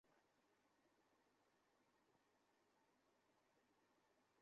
আমরা এতোগুলো নিতে পারব না।